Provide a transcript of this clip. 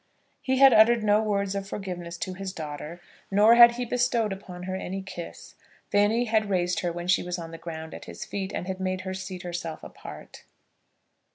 He had uttered no words of forgiveness to his daughter, nor had he bestowed upon her any kiss. Fanny had raised her when she was on the ground at his feet, and had made her seat herself apart.